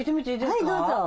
はいどうぞ。